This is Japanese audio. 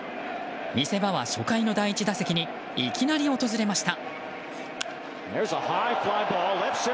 見せ場は初回の第１打席にいきなり訪れました。